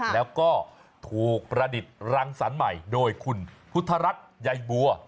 แล้วก็ถูกประดิษฐ์รังสรรค์ใหม่โดยคุณพุทธรัฐใยบัว